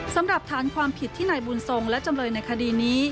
สำหรับฐานความผิดที่นายบุญทรงและจำเลยในคดีนี้